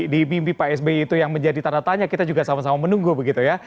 di mimpi pak sby itu yang menjadi tanda tanya kita juga sama sama menunggu begitu ya